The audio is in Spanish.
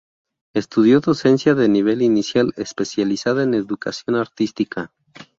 Estudió docencia de nivel inicial, especializada en Educación Artística.